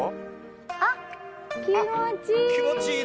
あっ気持ちいい！